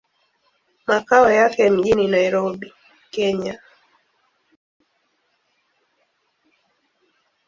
Makao yake mjini Nairobi, Kenya.